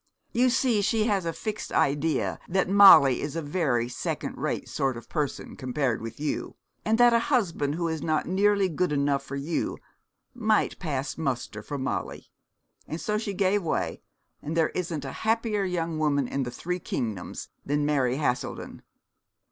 You see she has a fixed idea that Molly is a very second rate sort of person compared with you, and that a husband who was not nearly good enough for you might pass muster for Molly; and so she gave way, and there isn't a happier young woman in the three kingdoms than Mary Haselden.'